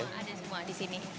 ada semua ada semua di sini